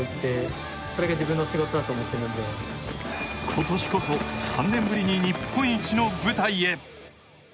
今年こそ３年ぶりに日本一の舞台へ。